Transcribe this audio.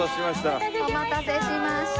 お待たせしました。